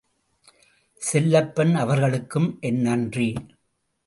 செல்லப்பன் அவர்களுக்கும் என் நன்றி.